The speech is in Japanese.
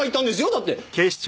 だって。